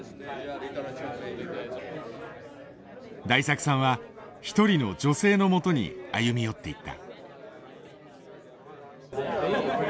大作さんは一人の女性のもとに歩み寄っていった。